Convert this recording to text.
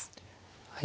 はい。